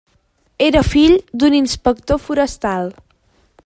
Era fill d'un inspector forestal.